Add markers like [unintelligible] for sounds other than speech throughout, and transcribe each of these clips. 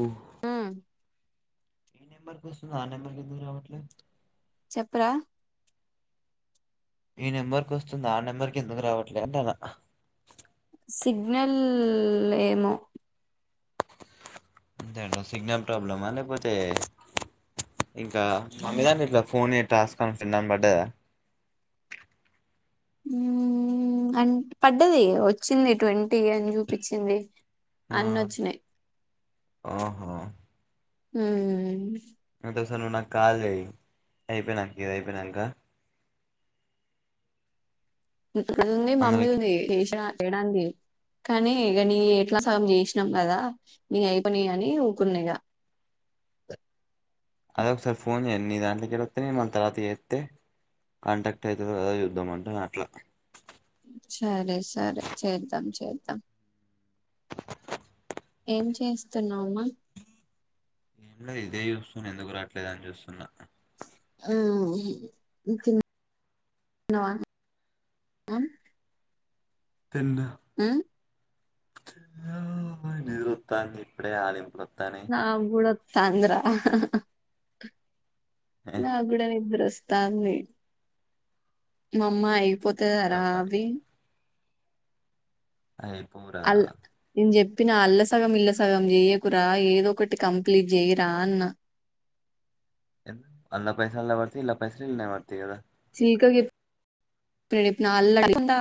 అ మ్మ్ నెంబర్ వస్తుంది గా ఆ నెంబర్ కి ఎందుకు రావట్లేద్ చెప్పరా ఈ నెంబర్కి వస్తుంది ఆ నెంబర్ కి ఎందుకు రావట్లేద్ అంటనా సిగ్నల్ల్ ఏమో అంతేంట సిగ్నల్ ప్రాబ్లమా లేకపోతే ఇంకా మమ్మీదాంట్లో ఇట ఫోన్ ఎ టాస్కని ఫ్రెండ్ అని వడ్దాదా. మ్మ్ అన్ పడ్డది వచ్చింది ట్వంటీ అని చూపిచ్చింది ఆ ఓహో హ్మ్ ఒకటే సారి నువ్ నాకు కాల్ చేయ్ అయిపోనాక ఇది అయిపోయినాంక. అన్నీ మా మీదుంది వేషినా చేయడానికి కానీ ఇగ నీ ఎట్లా సగం చేసినాం కదా నీ అయిపోనా అని ఊకున్నా ఇగ. అదే ఒకసారి ఫోన్ చెయ్ ని దాంట్లోకి కెలోత్నాయి ఏమో మన తరువాత జెతే కాంటాక్ట్ అయితదో కాదో చూద్దామంటనా అట్లా సరే సరే చేద్దాం చేద్దాం ఏం చేస్తున్నావ్ మా ఏం లేదు ఇదే చూస్తన ఎందుకు రాట్లేదు అని చూస్తున్నా మ్మ్ తిన్ న్నావ ఆ తిన్న మ్మ్ నిద్రొత్తంది ఇప్పుడే ఆవలింపులు వత్ నాక్ గూడ త్తంది రా ఏం నాగ్ గుడ నిద్రోస్ త్తంది మా అమ్మా యి పోతదిర చేద్దాం మరి అవి ఐ బొమ్మా లోన పిన అల్ల సగం ఇల్ల సగం చెయ్యకురా ఏదో ఒకటి కంప్లీట్ చెయరా అన్న ఎన్ ఆళ్ల పైసలు ఆళ్ల పడుతాయ్ ఇళ్ల పైసలు ఇళ్లకు పడతాయి కదా సీక ఇప్ [unintelligible] నే చెప్ప అళకుడా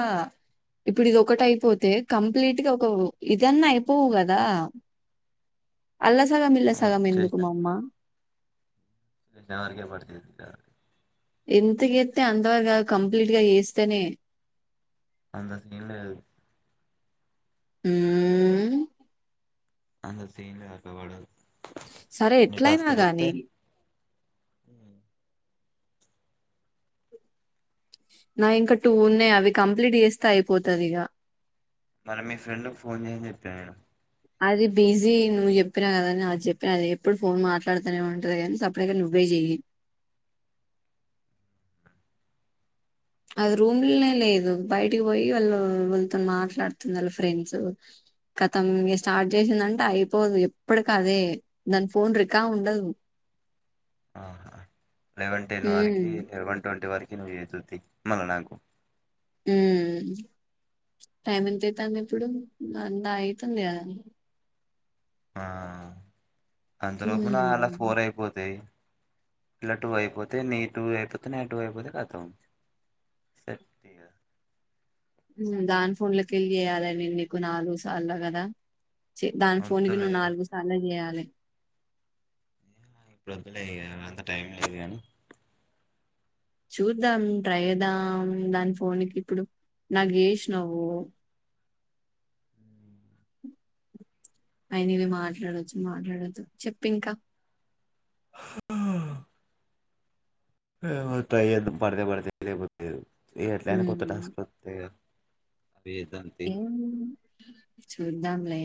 ఇప్పుడు ఇదోకటి అయిపోతే కంప్లీట్ గా ఒక ఇదన్నా అయిపోవు కదా అల్లా సగం ఇల్లా సగం ఎందుకు అమ్మా నాలాగే పడుతది బిడ్డ ఎంతకేతె అంతవరక్ కంప్లీట్ గా చేస్తేనే అంత సీన్ లేదు మ్మ్మ్ అంత సీన్ లేదు [unintelligible] సరే ఇన్ని ఎట్లయినా టాస్కులు చెత్తే గాని నా ఇంకా టూ ఉన్నాయి అవి కంప్లీట్ చేస్తే అయిపోతది ఇగ మన మీ ఫ్రెండ్ కు ఫోన్ జెసి జెప్పిన నేను అది బిజీ నువ్వు చెప్పినా కదాని అది చెప్పి అది ఎప్పుడు ఫోన్ మాట్లాడుతానే ఉంటది కానీ సప్డగా నువ్వే చెయ్యి అది రూమ్ లోనే లేదు బయటికి పోయి వాళ్ళు ఒల్తో మాట్లాడుతుంది వాళ్ళ ఫ్రెండ్స్ గతం ఇ స్టార్ట్ చేసిందంటే అయిపోదు ఎప్పటిక అదే దాని ఫోన్ రికా ఉండదు ఆ లెవెన్ టెన్ ఉమ్ వరకి వన్ ట్వంటీ వర్ ఎరవై ఏదోతి మన నాకు మ్ టైం ఎంత అయితది ఇప్పుడు నా అవుతుంది అదా ఆ అంతలోపల ఉమ్ అలా ఫోర్ అయిపోతాయి ఇలా టూ అయిపోతే నీ టూ అయిపోతే నే టూ అయిపోతే రాత్ సరి పై ఇక దాని ఫోన్లకి ఎళ్ళి చేయ్యాలి నేను నీకు నాలుగు సార్లు కదా దాని ఫోకి వద్దులే నువ్వు నాలుగు సార్లు జెయాలి వద్లే ఇగ అంత టైం లేదుగాను చూద్దాం ట్రై చేద్దాం దాని ఫోన్కి ఇప్పుడు దానికి ఎష్ణవ్ గని అయిన ఇవి మాట్లాడొచ్చు మాట్లాడొదు చెప్పింకా ఆ తయదు పడితే పడితే లేపోతేదు ఎట్లయిన కొత్త మ్మ్. టాస్క్లు వస్తన్నాయి ఏం చూద్దాంలే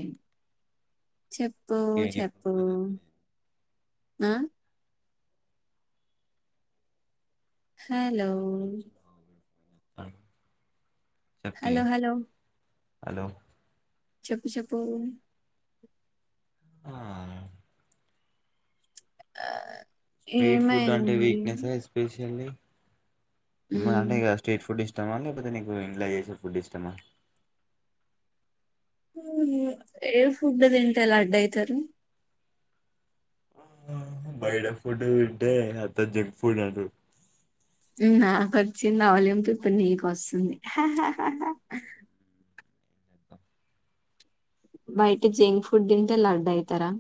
చెప్పు ఇగ ఎప్పుడు చెప్పు ఫోన్ చేత్తడు ఈడు ఆ హలో ఆ ఒక్క నిమిషం ఆగు వీడు ఫోన్ చేత్తాండు చెప్పు ఇగ హలో హలో హలో చెప్పు చెప్పు ఆ ఆ స్ట్రీట్ ఫుడ్ అంటే వీక్నెసా ఎస్పీషీయల్లీ అంటే మ్మ్. ఇక స్ట్రీట్ ఫుడ్ ఇష్టమా లేక నీకు ఇంట్లో చేసిన ఫుడ్ ఇష్టమా ఏ ఫుడ్ తింటే ఎలా అడ్ అయితారు బయట ఫుడ్ తింటే అంత జంక్ ఫుడ్ అంట నాకు వచ్చింది ఆవలింపు ఇప్పుడు నీకు వస్తుంది బయట జంక్ ఫుడ్ తింటే లడ్డు అయితరా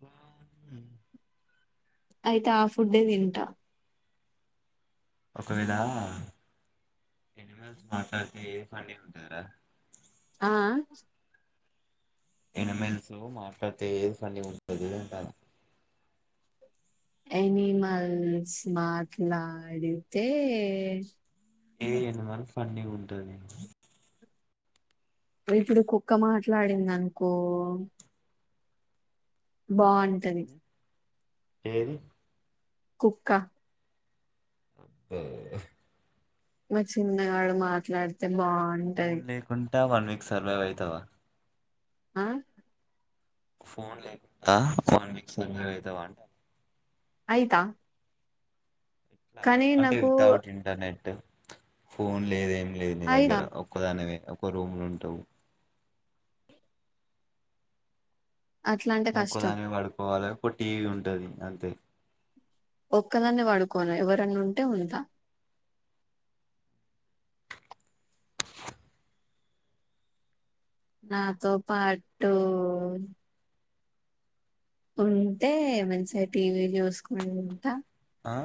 ఆ అయితే ఆ ఫుడ్డే తింటా ఒకవేళ ఎని మాట్లాడితే ఏ ఫన్న ఉంటారా ఆ ఎమెనుసులు మాటతే ఏది పని ఉంటదు అంట ఎనిమల్స్ మాట్లాడితే ఏదిన్న మన ఫన్నీగా ఉంటంది నను ఇప్పుడు కుక్క మాట్లాడింద అనుకో బాగుంటడి అంటది ఏది కుక్క అ మ చిన్నగాళ్ళు మాట్లాడుత బాగు అంటయి ఫోన్ లేకుంటా వన్ వక్ సర్వైవ్ అయి అ ఆ ఫోన్ లేకుండా ఫోన్ మిక్స్ అవుతావా అంటా ఆయతా ఇట్లా అంటే వితౌట్ ఇంటర్నెట్ ఫోన్ లేదేం లేదు అయితా దగ్గర ఒక్కదానివి ఒక రూమ్లు ఉంటావు అట్లా అంటే కష్టం ఇక్కదాని పడుకోవాలి ఒక టీవ ఉంటా ఉంటది అంతే ఒక్కదాన్న వాడుకోను ఎవరన్నా ఉంటే ఉదా నాతో పాటు ఉంటే మంచిగా టీవీ చూసుకుని ఉంట ఆ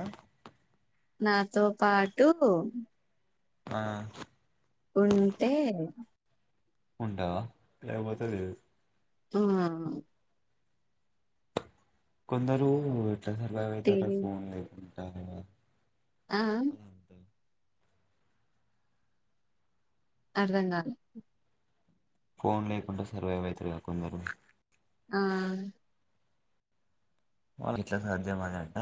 నాతో పాటు ఆ కుంట ఉంటావా లేకపోతేది ఆ కొందరు స తార టీవీ ఫోన్ ఆ ఆ అరదంగా ఫోన్ లేకుండా సర్వైవ్తురుగా కొందరు ఆ వాళ్ళ ఇట్లా సాధ్య అదంట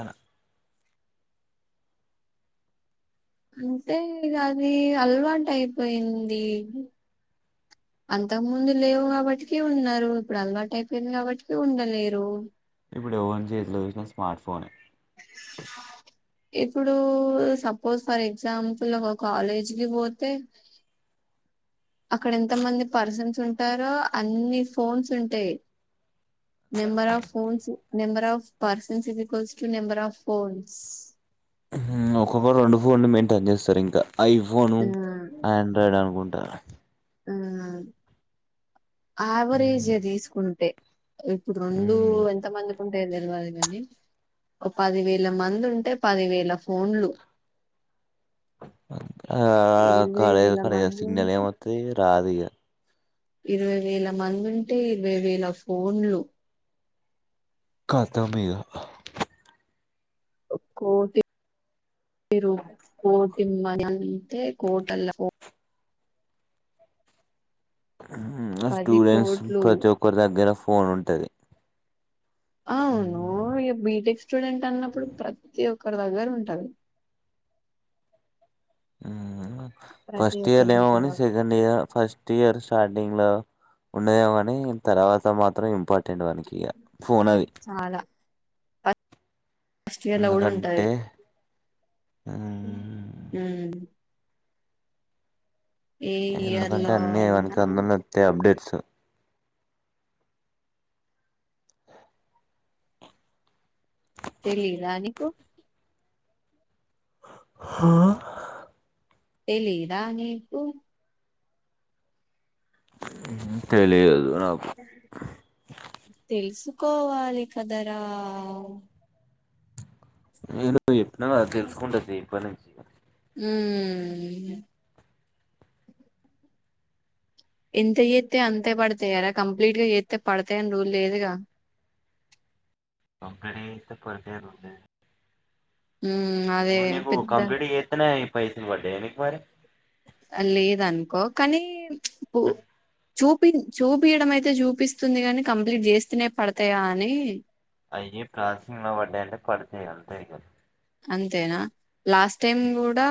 అంతే ఇ అది అల్వాట్ అయిపోయింది అంతకు ముందు లేవు కాబట్టిక ఉన్నారు ఇప్పుడు అల్వాటు అయిపోయింది కాబట్టిక ఉండలేరు ఇప్పుడు ఓన్ చేయట్లే చ స్మార్ట్ ఫోన్ ఇప్పుడు సపోజ్ ఫర్ ఎగ్జాంపుల్ ఒక కాలేజీ కి పోతే అక్కడ ఎంత మంది పర్సన్స్ ఉంటారో అన్ని ఫోన్స్ ఉంటాయి number of phones number of persons is equals to number of phones క్కొక్క రెండు ఫోన్లు మెయింటైన్ చేస్తారు ఇంకా ఐఫోను మ్ ఆండ్రాయిడ్ అనుకుంటు అ ఆ యావరేజే తీసుకుంటే ఇప్పుడు రెండు ఎంత మంది ంటా తెలివదు కాని ఒక పది వేల మంది ఉంటే పది వేల ఫోన్లు ఆ ఇరవై కడ వేల కడ మంది సిగ్నలే ఉంటే మత్త రాదుగా ఇరవై వేల మంది ఉంటే ఇరవై వేల ఫోన్లు కతమ ఇగా కోటిటి కోటి మంది అంతే కోట అల పది స్టూడెంట్స్ కోట్లు ప్రతి ఒక్కరి దగ్గర ఫోన్ ఉంటుంది అవును బిటెక్స్ స్టూడెంట్ అన్నప్పుడు ప్రతి ఒక్కరి దగ్గర ఉంటారు ప్రతి ఫస్ట్ ఇయర్ ఒక్కరి దగ్గర ఏమని second year first year starting లో ఉండదేో కానీ తర్వాత మాత్రం ఇంపార్టెం నికి ఫోనాది చాలా ఫస్ట్ ఇయర్ లో కూడా ఉంటాది ఎందుకంటే హ ఇయర్ ఎందుకంటే లో అన్నీ అయినా మనకి అందస్త అప్డేట్ తెలి రానికు హా తెలియదా నీకు. తెలియదు నాకు తెలుసు కోవాలిఖదరా ఏ యప్పనాల్ అల్ సుండస పన చేయ ఆ ఇంత చేస్తతే అంతే పడతాయారా కంప్లీట్గా చేస్తతే పడతాయని రూ లేదుగా పంగడతే పడుదే రంది మ్మ్ అదే ఇవన్ నకు పెద్ద కంప్లీట్ తేనే పైసను పడ్డ ఎకు మర లేద అనుకో కానీ చూపి చూపయడం అయితే చూపిస్తుంది కాని కంప్లీట్ చేస్తూనే పడతాయా అని అయ్యే ప్రాసెసింగ్ లో పడ్డాయంటే, పడితయి అంతే ఇగ అంతేనా లాస్ట్ టైం కూడా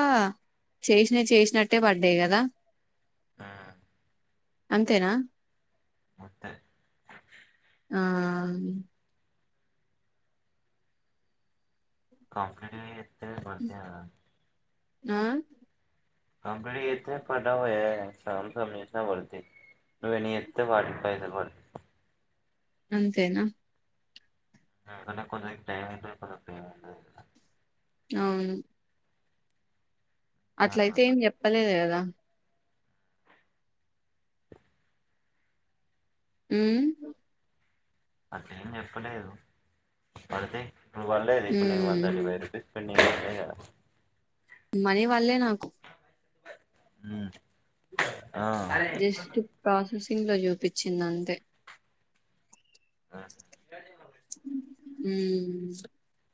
చేసినయి చేసినట్టే పడ్డయి కదా! మ్మ్ అంతేనా అంతే ఆ కంప్లీట్ గా తే పడుతాయ రా ఆ కంప్లీట్ చేత్తె పడవు వే, సగం సగం చేసిన పడుతయి. నువు ఎన్ని జేత్తె వాటికి పైసలు పడు అంతేనా అంటే కొంచెం టైం [unintelligible] అవును అట్లయితే ఏం చెప్పలేదు కదా. మ్మ్ అట్లేం చెప్పలేదు పడుతయి. నువు పడ్లేదు ఇప్పుడు నీపు వన్ తర్టి ఫైవ్ మ్మ్ రూపీస్ పెం [inaudible] మనీ వడ్లే నాకు. మ్మ్ జస్ట్ ప్రాసెస్ ఇండ్లో చూపించింది అంతే. ఆ హా మ్మూ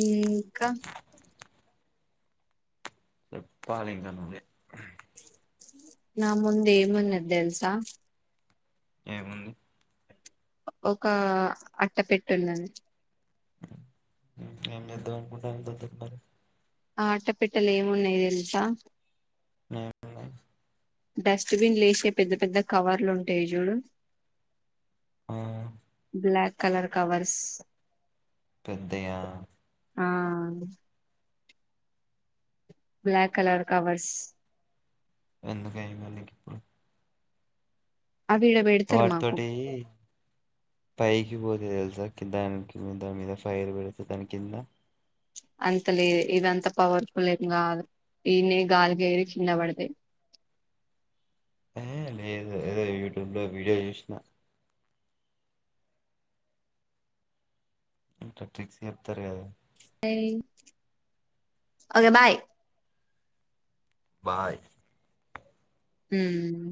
ఇంకా చెప్పాలి ఇంక నువ్వే నా ముందు ఏమున్నది తెల్సా. ఏముంది ఒక అట్ట పెట్టుందన్ ఏం చేద్దాం అనుకుంటున్నారు దాని తోటి మరి ఆ అట్టపెట్టలో ఏమున్నాయో తెలుసా. మే [unintelligible] డస్ట్బిన్లా ఏసే పెద్ద పెద్ద కవర్లు ఉంటయి చూడు అ బ్లాక్ కలర్ కవర్స్ పెద్దయా? ఆ బ్లాక్ కలర్ కవర్స్ ఎందుకే మళ్ళీ గిప్పుడు అవి ఈడ పెడతారు మాకు వాటీతోటీ పై గ్గిపోతే తెలుసా కిదా దాని కిందా దాన్ మీద ఫైర్ పెడితే దాని కింద అంత లేదు ఇదంత పవర్ఫుల్ ఏం కాదు. ఈన్నే గాలికి ఏగిరి కింద పడితే. ఏ లేదు ఏదో యూట్యూబ్ లో వీడియో చూసినా అంత ట్రిక్స్ చెప్తారు కదా ఓకే బాయ్ బాయ్ మ్మ్